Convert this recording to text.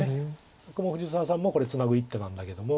ここも藤沢さんもこれツナぐ一手なんだけども。